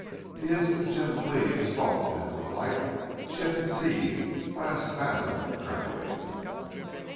The instant Jim Cleve had stalked into the light she had been seized by a spasm of trembling.